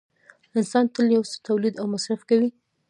انسان تل یو څه تولید او مصرف کوي